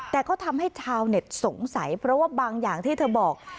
แต่ก็ทำให้ชาวเน็ตสงสัยเพราะว่าบางอย่างที่เธอบอก